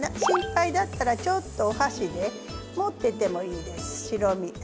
心配だったらちょっとお箸で持っててもいいです白身。